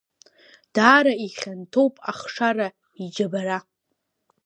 Даара ихьанҭоуп ахшара иџьабара!